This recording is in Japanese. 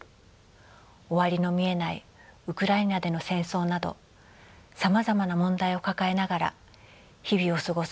終わりの見えないウクライナでの戦争などさまざまな問題を抱えながら日々を過ごす